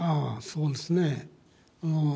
そうですね。